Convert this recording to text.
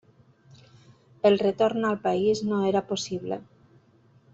El retorn al país no era possible.